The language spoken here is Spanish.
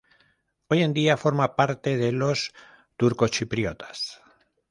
Hoy en día forma parte de los turcochipriotas.